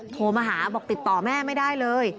โทรมาหาบอกติดต่อแม่ไม่ได้เลย